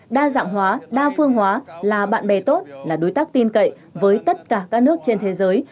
đa dạng hóa đa phương hóa là bạn bè tốt là đối tác tin cậy với tất cả các nước trên thế giới